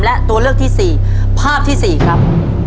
และตัวเลือกที่๔ภาพที่๔ครับ